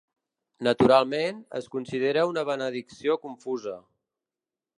Naturalment, es considera una benedicció confusa.